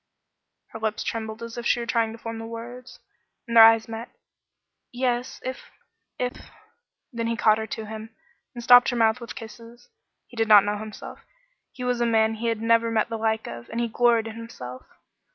Her lips trembled as if she were trying to form the words, and their eyes met. "Yes if if " Then he caught her to him, and stopped her mouth with kisses. He did not know himself. He was a man he had never met the like of, and he gloried in himself.